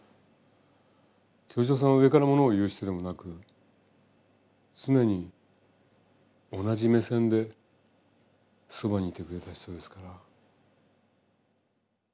清志郎さんは上から物を言う人でもなく常に同じ目線でそばにいてくれた人ですから。